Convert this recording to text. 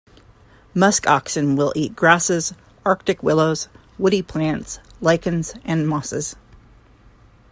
Muskoxen will eat grasses, Arctic willows, woody plants, lichens, and mosses.